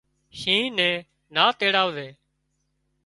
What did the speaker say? شينهن نين نا تيڙاوزي